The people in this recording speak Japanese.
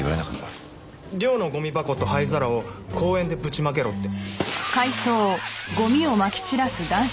寮のゴミ箱と灰皿を公園でぶちまけろって。